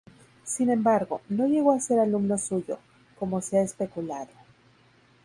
Sin embargo, no llegó a ser alumno suyo, como se ha especulado.